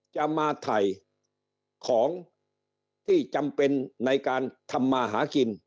จะมาถ่ายของที่จำเป็นในการทำมาหากิน